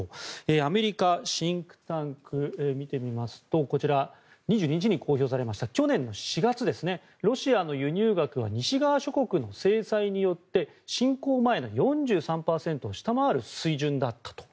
アメリカのシンクタンク見てみますと２２日に公表されました去年の４月ロシアの輸入額は西側諸国の制裁によって侵攻前の４３％を下回る水準だったと。